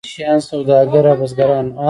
ویشیان سوداګر او بزګران وو.